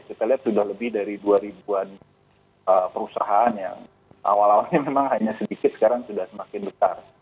kita lihat sudah lebih dari dua ribu an perusahaan yang awal awalnya memang hanya sedikit sekarang sudah semakin besar